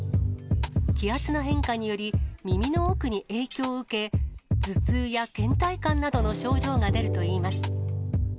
気圧の変化により、耳の奥に影響を受け、頭痛やけん怠感などの症状が出るといいます。